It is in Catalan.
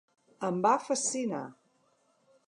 Em va fascinar.